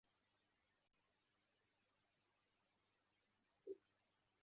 Abagabo bambaye imipira ya baseball bakora hasi ya sima